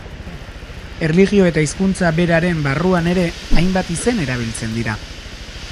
Erlijio eta hizkuntza beraren barruan ere, hainbat izen erabiltzen dira.